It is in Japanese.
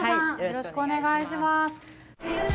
よろしくお願いします。